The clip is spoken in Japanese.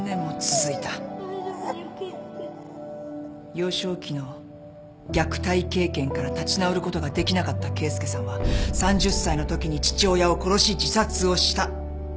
幼少期の虐待経験から立ち直ることができなかった啓介さんは３０歳のときに父親を殺し自殺をした。